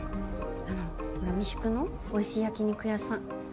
あの、ほら三宿のおいしい焼き肉屋さん。